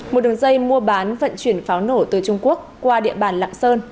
một đường dây mua bán vận chuyển pháo nổ từ trung quốc qua địa bàn lạng sơn